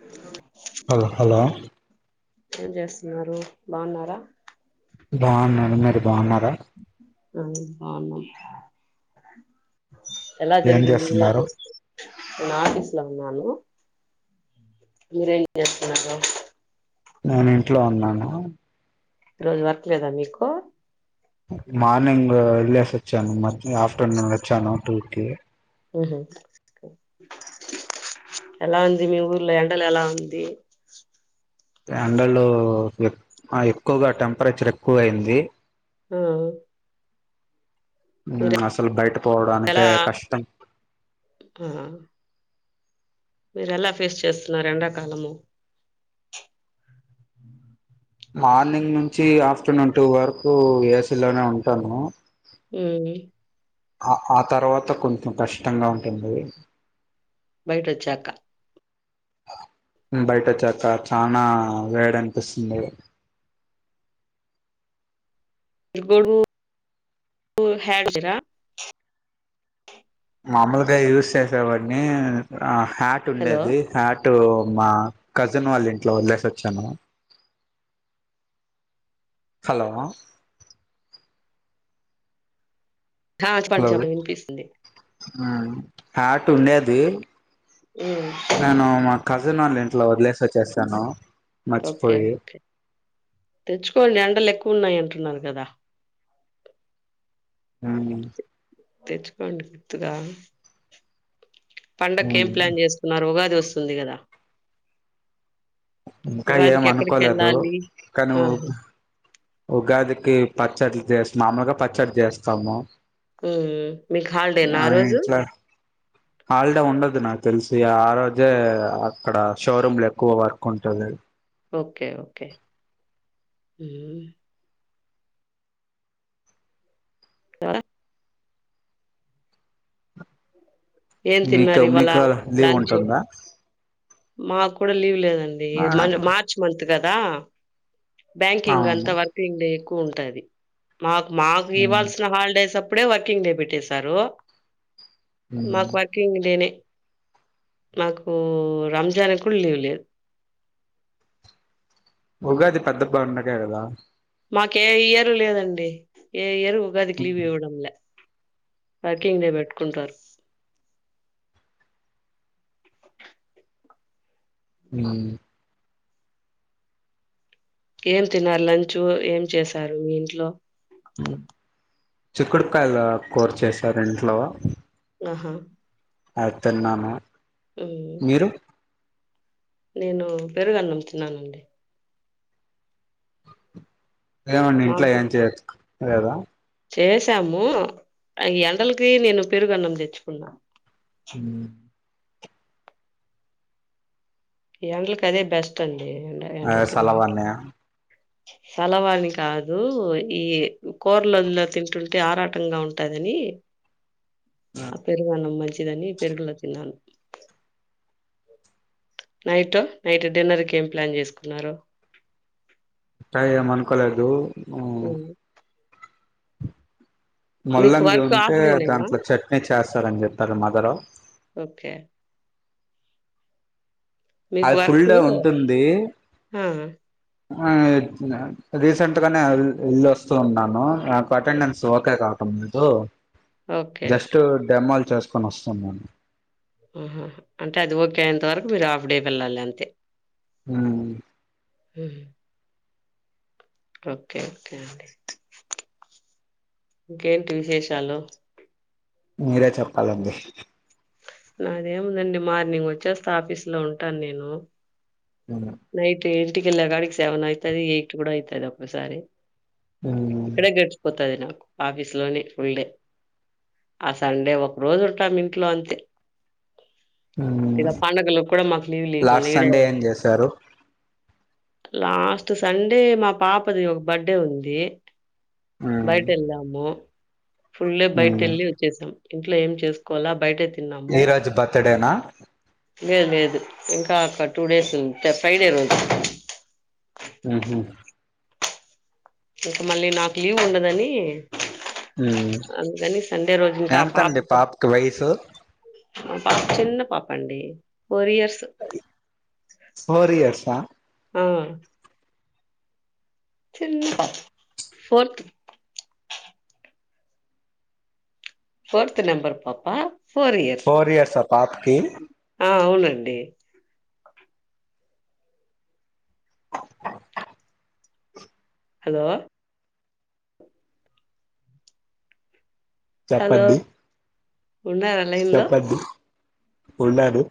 Hello [inaudible] hello hello ఏం చేస్తున్నారు బాగున్నారా బాగున్నాను మీరు బాగున్నారా అ అవును ఎలా ఏం జరిగింది చేస్తున్నారు ఈరోజు నేను ఆఫీస్ లో ఉన్నాను మీరే చేస్తున్నారు నేను ఇంట్లో ఉన్నాను ఈ రోజు వర్క్ లేదా మీకు మార్నింగ్ ఎల్లేసి వచ్చాను మ ఆఫ్టర్నూన్ వచ్చాను టూకి హ్మ్ హు ఎలా ఉంది మీ ఊర్లో ఎండలు ఎలా ఉంది ఎక్కువ ఎక్కువగా టెంపరేచర్ ఎక్కువ అయింది హ్మ్ హ్మ్ అసలు బయట ఎలా పోవడానికే కష్టం ఆ మీరు ఎలా ఫేస్ చేస్తున్నారు ఎండాకాలము మార్నింగ్ నుంచి ఆఫ్టర్నూన్ టూ వరకు ఏసీలోనే ఉంటాను హ్మ్ ఆ ఆ తర్వాత కొంచెం కష్టంగా ఉంటుంది బయట వచ్చాక బయట వచ్చాక చనా వేడ అనిపిస్తుంది ఎగుడు హడ్ చేయరా మామలుగా యూస్ చే సేవాన్ని ఆ హ్యాట్ హలో ఉండేది హ్యాట్ ఇటు మా కజిన్ వాళ్ళ ఇంట్లో వదిలేసి వచ్చాను హలో ఆ చెప్పండి చెప్పండి వినిపిస్తుంది హ్మ్ హ్యట్ ఉండేది ఉమ్, నేను మా అక్క కజిన్నోళ్ల ఇంట్లో వదిలేసి వచ్చేసాను ఓకే మర్చిపోయి ఓకే తెచ్చుకొండి ఎండలు ఎక్కువ ఉన్నాయంట తినాలి కదా హ్మ్ తెచ్చుకోండి గుర్తుగా పండగ కి ఏం ప్లాన్ చేస్తున్నారు ఉగాది వస్ స్తుంది కదా ఇంకా ఏం ఉగాదికి అనుకోలేదు ఎక్కడికెళ్ళాలి కానీ వు ఆహా ఉగాదికి పచ్చడి చేసిన మామూలుగా పచ్చడి చేస్తాము మ్మ్ మీకు హాలిడేనా మా ఆ రోజు ఇంట్లో హల్డే ఉండదు నా తెలిసి ఆ రోజే అక్కడ షోరూమ్లు ఎక్కువ వర్క్ ఉంటది ఓకే ఓకే హు వర ఏం మీకు తిన్నారు ఇవాళ మీకు లీవ్ లంచ్ ఉంటుందా మాకు కూడా లీవ్ లేద ది ఆ మన్ మార్చ్ మంత్ కదా బ్యాంకింగ్ అంత అవును వర్క్ ఏం లే క్కువుంటది మాకు మాకు ఉమ్ ఇవ్వాల్సిన హాలిడేస్ అప్ అప్పుడే వర్కింగ్ డే పెట్టేశారు ఉమ్ మాకు వర్కింగ్ డే నే నాకు రంజాన్ కూడా లీవ్ లేదు ఉగాది పెద్ద పండగే కదా మాకు ఏ ఇయరు లేదండి ఏ ఇయరు ఉగాదికి లివ్ ఇవ్వడం లే పార్కింగ్ దే పెట్టుకుంటారు హు ఏం తిిన్నారు లంచ్ ఏం చేసారు మీ ఇంట్లో చిక్కుడుకాయలు కూర చేసారు ఇంట్లో ఆహా అది తిన్నాను హు మీరు నేను పెరుగన్నం తిన్నానండి ఏమండి ఇంట్లో మాకు ఏం చెస్కో లేదా చేసాము అ ఎండలకి నేను పెరుగన్నం తెచ్చుకున్నా హ ఈ ఎండలకి అదే బెస్ట్ అండ్ ఆ సలవన్న సలవాని కాదు ఈ కూరలలో తింటుంటే ఆరాటంగా ఉంటాదని అ పెరుగన్నం మజ్ ని పెరుగులో తిన్నాను నైట్ నైట్ డిన్నర్ కీ ఏం ప్లాన్ చేసుకున్నారు కా ఏం మనుకొ లేదు అవునా ముల్లంగి వర్క్ ఉంటే హాఫ్ డే నేనా దాంట్లో చట్నీ చేస్ సారని చెప్పారు మధరు ఓకే మీకు అది ఫుల్ వర్క్ ఉంటుంది ఆ ఆ రీసెంట్ గానే వెల్ళొస్తూ ఉన్నాను అటెండన్ ఓకే కా అ ఓకే జస్ట్ డెమాల్ చస్ సుఖ నష్టం మ ఆహ అంటే అది ఓకే అయినంత వరకు మీరు హాఫ్ డే వెళ్ళాలి అంతే అ హ ఓకే ఓకే అండి ఇంకేంటి విశేషాలు మీరే చెప్పాలండి నాదేముందండి మార్నింగ్ వచ్చేస్త ఆఫీస్ లో ఉంటాను నేను నయితే ఏ ఇటికి ఎల్ గడికి సవెన్ అయితయిది ఎయిట్ కూడా అయితాయిది ఒప్పు సారి ఇక్కడే గడిచిపోతది నాకు ఆఫీస్ లోని ఫుల్ డే ఆ సండే ఒక రోజు ఉట్టా మంట్లో అంతే ఇదా పంండగలు కూడా మాకు లీవ్ లీవకుండా లాస్ట్ ఇడ సండే ఏం చేశారు లాస్ట్ సండే మా పాపది ఒక బర్త్డే ఉంది బయట ఎలాము ఫుల్ బయట వెళ్ళలి వచ్చేసాం ఇంట్లో ఏం చేసుకోవాల బయటతే నిరాజ్ బాతడి అంటేనా లేదు లేదు ఇంకా అ టూ డేస్ ఫ్రైడే రోజు ఇంకా మళ్ళీ నాకు లీవ్ ఉండదని అందుకని సండే రోజు ఇంకా ఆ పాప ఎంతండి పాపకి వయసు మా పాప చిన్న పాప అండి ఫోర్ ఇయర్స్ సోరిీ అర్సా ఆ చిన్న ఫోర్త్ ఫోర్త్ నంబర్ పాపా ఫోర్ ఇయర్స్రా పాప్కి ఆ అవునండి హలో హలో చెప్పద్ది ఉన్నారాలైన్ లో ఉళారు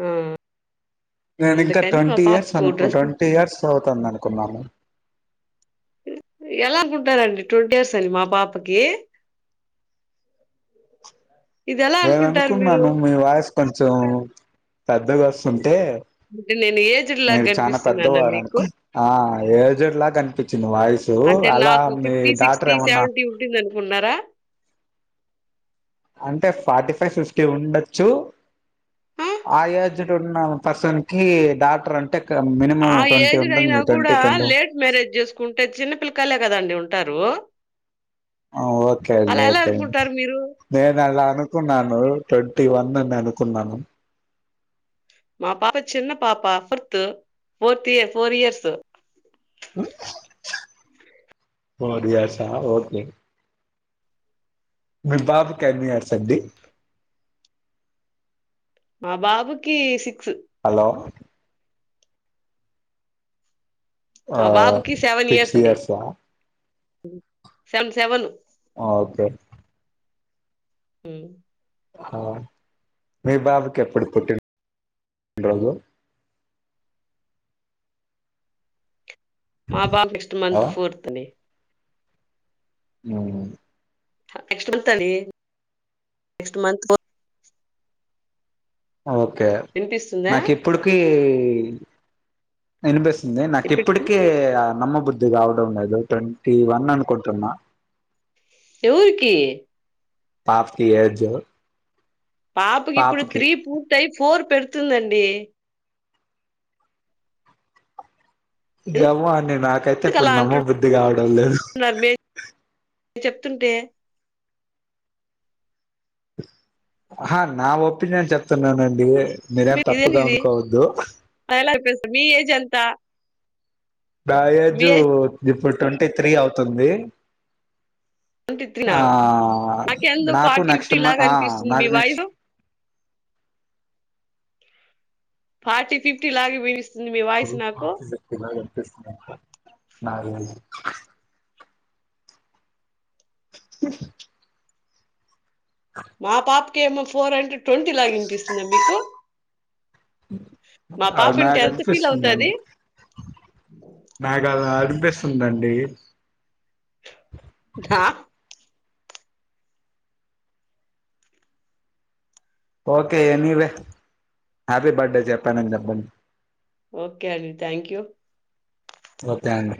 ఆ నేను ఇంకా అందుకని మా ట్వంటీ ఇయర్స్ పాపకు అనుకు డ్రెస్ ట్వంటీ ఇయర్స్ అవుతోంది అనుకున్ కున్నాను ఎలా అనుకుంటారండి ట్వంటీ ఇయర్స్ అని మా పాపకి ఇది ఎలా నేను అనుకుంటారు మీరు అనుకున్నాను మీ వాయసు కొంచెం పెద్దగొస్తున్ అంటే అంటే నేను ఏజ్డ్ లాగా మీరు చాల కనిపిస్తున్నానా పెద్దవార మీకు ఆ ఏజడ్లా కనిపించింది వాయిసు అంటే అలా నాకు మీ డాటర్ ఏమన్నా ఉంటుందనుకున్నారా? అంటే ఫార్టీ ఫైవ్ ఫిఫ్టీ ఉండచ్చు ఆ! ఆఏజ్డ్ ఉన్న పర్సన్ కి డాక్టర్ అంటే మినిమం ఆ ట్వంటీ ఏజ్డ్ అయినా ఉంటుంది కూడా ట్వంటీ ట్వంటీ లేట్ మ్యారేజ్ చేసుకుంటే చిన్న పిల్లకాయలే కదండి ఉంట ఉంటారు ఓకే అండి అలా ఎలా ఓకే అండి అనుకుంటారు మీరు? నేను అలా అనుకున్నాను ట్వంటీ వన్ అని అనుకున్నాను మా పాప చిన్న పాపా fourth fourth year four years four years ఆ ఓకే మీ బాబ కెన్నియర్స్ అండి మా బాబుకి సిక్స్ హలో ఆ మా సిక్స్ ఇయర్స్ ఆ సె సెవన్ ఓకే మ్మ్ ఆ మీ బాబుకి ఎప్పుడు పుట్టిన రోజు మా బాబ నెక్స్ట్ మంత్ హలో ఫోర్త్ని ఉమ్ నెక్స్ట్ మంత్ అండి నెక్స్ట్ మంత్ ఫోర్త్ ఓకే వినిపిస్తుందా నాకు ఇప్పటికీ ఇన్పిస్ట్ ఇంది నాకు ఇప్పటికి? ఇప్పటికీ ఆ నమ్మ బుద్ధి కావడం లేదు ట్వంటీ వన్ అనుకుంటున్నా ఎవరికి పాప కి ఏజ పాపకి ఇప్పుడు త్రీ పూర్తయి ఫోర్ పెడుతు దత్తాండ్ జమనే నాకైతే ఇప్పుడు ఎందుకలా అంటున్ నమ్మబుద్ధి కావడం లేదు మీ చెప్తుంటే ఆ నా ఒపీనియన్ చెప్తున్నానండి మీరేం ఇదే తప్పుగా ఇది అనుకోవద్దు అలాస్త మీ ఏజ్ అంత త న ఏజ్ ఇప్పుడు ట్వంటీ త్రీ అవుతుంది ట్వంటీ త్రీ నా ఆ నాకెందుకు నాకు ఫార్టీ నెక్స్ట్ ఫిఫ్టీ మన్ లాగా అనిపిస్తుంది మీ నాకు నెక్స్ట్ వాయిస్ ఫార్టీ ఫిఫ్టీ లాగే వినిపిస్ మ్మ్ మీ వాయిస్ నాకు [inaudible] కెమో పోరాంటాడ్ ట్వంటీ లాగా ఇనిపిస్తుంద మీకు మా పాప ఇంటే ఎంత ఫీల్ అనిపిస్తుందండి అవుతది పిస్తుందండి గా ఓకే ఎనీవే హ్యాపీ బర్త్డే చెప్పానని చెప్పండి ఓకే అండి థ్యాంక్ యూ ఒకే అండి